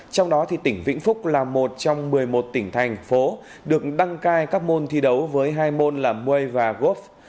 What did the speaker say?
trong đó thì tỉnh vĩnh phúc là một trong một mươi một tỉnh thành phố được đăng cai các môn thi đấu với hai môn là muey và gop